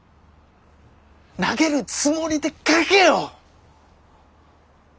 投げるつもりで書けよ！